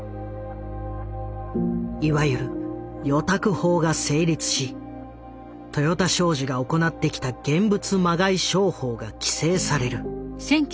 いわゆる「預託法」が成立し豊田商事が行ってきた「現物まがい商法」が規制される。